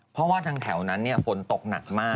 เพราะว่าทางแถวนั้นฝนตกหนักมาก